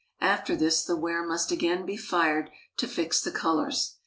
After this the ware must again be fired to fix the colors.